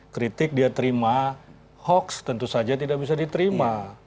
kritik dia terima hoax tentu saja tidak bisa diterima